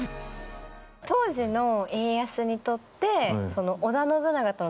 当時の家康にとって。